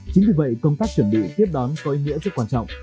chính vì vậy công tác chuẩn bị tiếp đón có ý nghĩa rất quan trọng